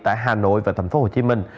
tại hà nội và tp hcm